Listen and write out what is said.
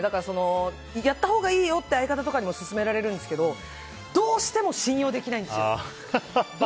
やったほうがいいよって相方とかにも勧められるんですけどどうしても信用できないんですよ。